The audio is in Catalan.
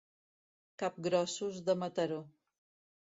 Capgrossos de Mataró.